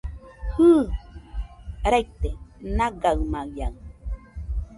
Jɨ, raite nagamaiaɨ